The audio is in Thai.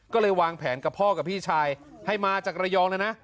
ก็เลยวางแผนกับพ่อกับพี่ชายให้มาจากระยองเลยนะ